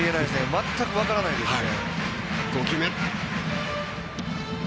全く分からないですね。